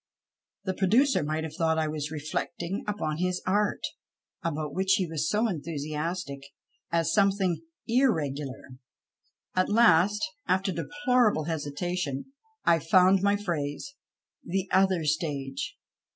The producer might have thought I was reilectiiig upon his art, about which he was so enthusiastic, as something " irregular." At last, after deplorable hesitation, I found my phrase — the " other " stage.